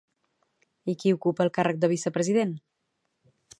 I qui ocupa el càrrec de vicepresident?